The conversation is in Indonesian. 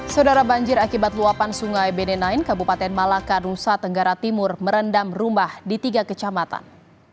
saudara banjir akibat luapan sungai benenain kabupaten malaka nusa tenggara timur merendam rumah di tiga kecamatan